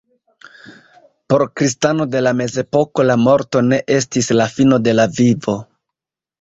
Por kristano de la mezepoko la morto ne estis la fino de la vivo.